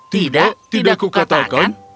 tidak tidak kukatakan